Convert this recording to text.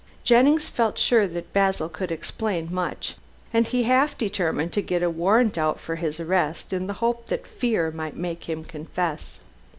Jennings felt sure that Basil could explain much, and he half determined to get a warrant out for his arrest in the hope that fear might make him confess.